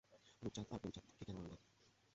রূপচাঁদ আর প্রেমচাঁদকে কেন মারলে?